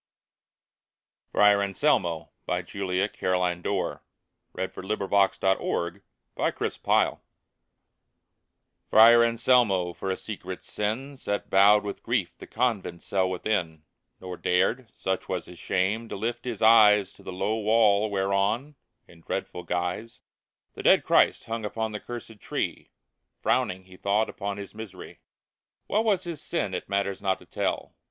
his feet, On this — his burial day !" FRIAR ANSELMO AND OTHER POEMS FRIAR ANSELMO Friar Anselmo for a secret sin Sat bowed with grief the convent cell within ; Nor dared, such was his shame, to lift his eyes To the low wall whereon, in dreadful guise, The dead Christ hung upon the cursed tree, Frowning, he thought, upon his misery. What was his sin it matters not to tell.